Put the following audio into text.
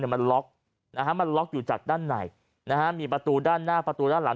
มันล็อกนะฮะมันล็อกอยู่จากด้านในมีประตูด้านหน้าประตูด้านหลัง